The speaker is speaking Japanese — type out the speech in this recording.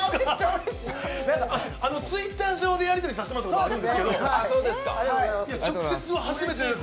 Ｔｗｉｔｔｅｒ上でやりとりさせてもらったことはあるんですけど、直接は初めてです！